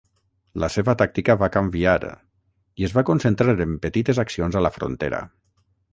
La seva tàctica va canviar i es va concentrar en petites accions a la frontera.